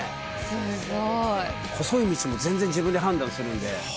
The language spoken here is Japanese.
すごい！細い道も全然自分で判断するんで。